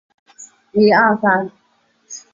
杨武之是数理部里年级比他高的同学。